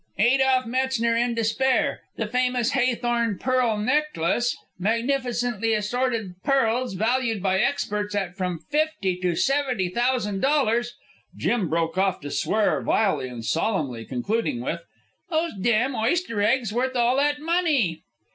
"Adolph Metzner in despair the famous Haythorne pearl necklace magnificently assorted pearls valued by experts at from fifty to seventy thousan' dollars." Jim broke off to swear vilely and solemnly, concluding with, "Those damn oyster eggs worth all that money!"